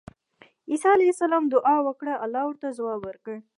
عيسی عليه السلام دعاء وکړه، الله ورته ځواب ورکړ